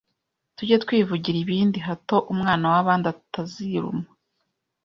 Tujye twivugira ibindi hato umwana w’ abandi atziruma